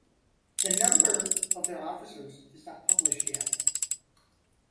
The number of their officers is not published yet.